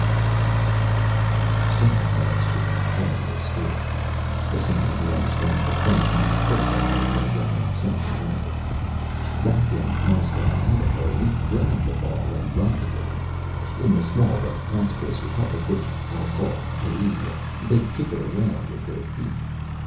SOMEONE else should be telling this story — some one who understands the funny kind of football they play down in South America. Back in Moscow, Idaho, we grab the ball and run with it In the small but prosperous republic which Fll call Perivia, they kick it around with their feet.